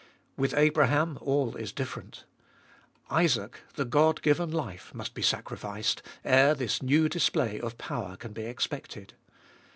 With Abraham all is different Isaac, the God given life, must be sacrificed, ere this new display of power can be expected.